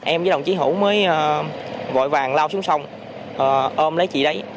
em với đồng chí hữu mới vội vàng lao xuống sông ôm lấy chị đấy